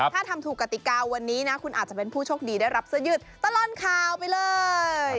ถ้าทำถูกกติกาวันนี้นะคุณอาจจะเป็นผู้โชคดีได้รับเสื้อยืดตลอดข่าวไปเลย